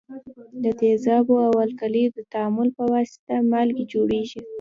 د تیزابو او القلیو د تعامل په واسطه مالګې جوړیږي.